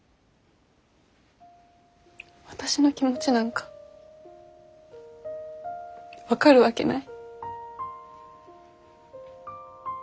私の気持ちなんか分かるわけない。